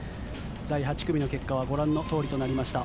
第８組の結果はご覧のとおりとなりました。